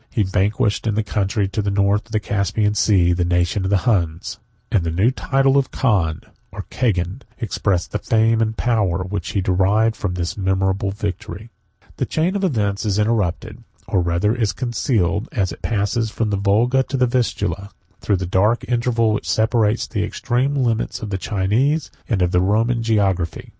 He vanquished, in the country to the north of the Caspian Sea, the nation of the Huns; and the new title of Khan, or Cagan, expressed the fame and power which he derived from this memorable victory. 64 64 (return) [ See M. de Guignes, Hist. des Huns, tom. i. p. 179 189, tom ii p. 295, 334 338.] The chain of events is interrupted, or rather is concealed, as it passes from the Volga to the Vistula, through the dark interval which separates the extreme limits of the Chinese, and of the Roman, geography.